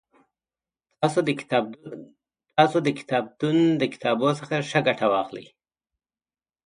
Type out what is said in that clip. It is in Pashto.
تاسو د کتابتون له کتابونو څخه ښه ګټه واخلئ